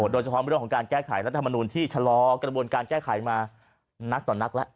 โดยเฉพาะเรื่องของการแก้ไขรัฐมนูลที่ชะลอกระบวนการแก้ไขมานักต่อนักแล้ว